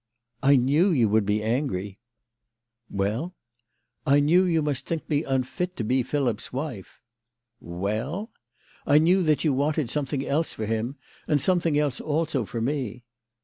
" I knew you would be angry." THE LADY OF LAUNAY. 149 "Well?" " I knew you must think me unfit to be Philip's wife." "Well?" " I knew that you wanted something else for him, and something else also for me."